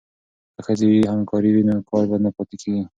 که ښځې همکارې وي نو کار به نه پاتې کیږي.